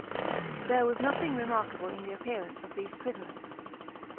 There was nothing remarkable in the appearance of these prisoners.